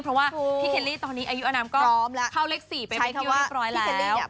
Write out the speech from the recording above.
เพราะว่าพี่เคลลี่ตอนนี้อายุอนามก็เข้าเลข๔ไปเป็นที่เรียบร้อยแล้ว